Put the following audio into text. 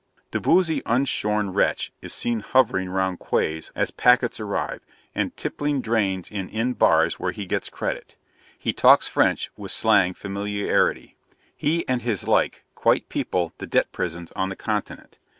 The boozy unshorn wretch is seen hovering round quays as packets arrive, and tippling drains in inn bars where he gets credit. He talks French with slang familiarity: he and his like quite people the debt prisons on the Continent.